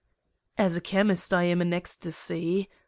"As a chemist, I am in ecstasy.